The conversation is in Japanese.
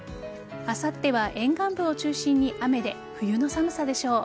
あさっては、沿岸部を中心に雨で冬の寒さでしょう。